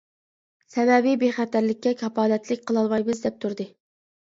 سەۋەبى: بىخەتەرلىككە كاپالەتلىك قىلالمايمىز دەپ تۇردى.